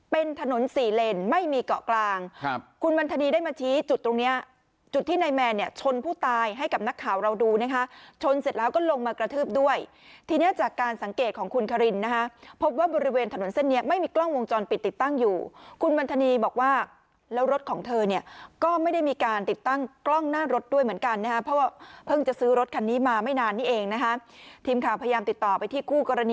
เป็นถนนสี่เลนไม่มีเกาะกลางครับคุณวันทะนีได้มาชี้จุดตรงเนี้ยจุดที่นายแมนเนี่ยชนผู้ตายให้กับนักข่าวเราดูนะคะชนเสร็จแล้วก็ลงมากระทืบด้วยทีนี้จากการสังเกตของคุณคารินนะคะพบว่าบริเวณถนนเส้นนี้ไม่มีกล้องวงจรปิดติดตั้งอยู่คุณวันทะนีบอกว่าแล้วรถของเธอเนี่ยก็ไม่ได้มีการติดตั้งกล้องหน้าร